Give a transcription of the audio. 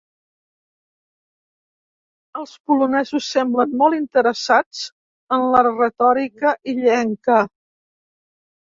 Els polonesos semblen molt interessats en la retòrica illenca.